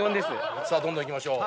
どんどんいきましょう。